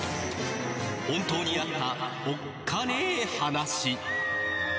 本当にあったおっカネ話。